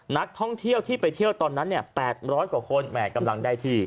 นักท่องเที่ยวที่ไปเที่ยวตอนนั้น๘๐๐กว่าคนแห่กำลังได้ที่